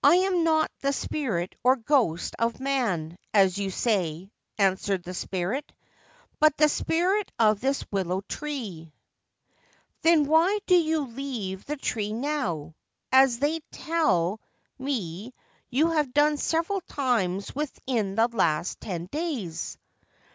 6 1 am not the spirit or ghost of man, as you say,' answered the spirit, ' but the spirit of this willow tree.' ' Then why do you leave the tree now, as they tell 348 A Willow Tree and Family Honour me you have done several times within the last ten days